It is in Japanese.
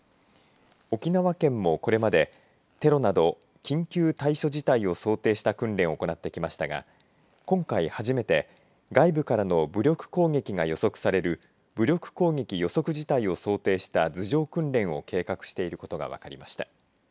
沖縄県もこれまで、テロなど緊急対処事態を想定した訓練を行ってきましたが今回初めて外部からの武力攻撃が予測される武力攻撃予測事態を想定した図上訓練を計画していることが分かりました。